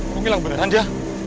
kok ngilang beneran dia